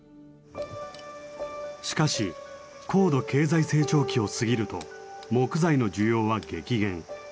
しかし高度経済成長期を過ぎると木材の需要は激減。